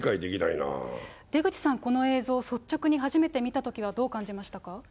出口さん、この映像、率直に初めて見たときはどう感じましたか。